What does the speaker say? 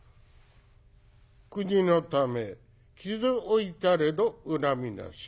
「国のため傷負いたれど恨みなし。